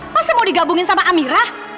masa mau digabungin sama amirah